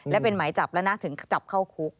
และเป็นหมายจับแล้วนะถึงจับเข้าคุก